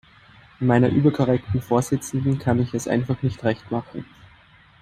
Meiner überkorrekten Vorsitzenden kann ich es einfach nicht recht machen.